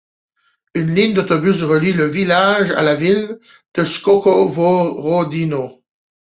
Une ligne d'autobus relie le village à la ville de Skovorodino.